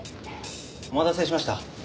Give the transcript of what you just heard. お待たせしました。